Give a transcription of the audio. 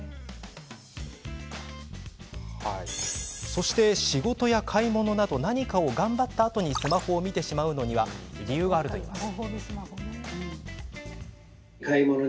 そして、仕事や買い物など何かを頑張ったあとにスマホを見てしまうのには理由があるといいます。